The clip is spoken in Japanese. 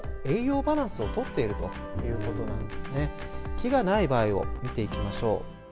木がない場合を見ていきましょう。